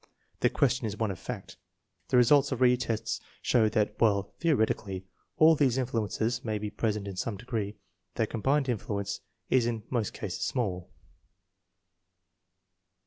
The question is one of fact. The results of re tests show that, while theoretically all these influences may be present in some degree, their combined influence is in most cases small.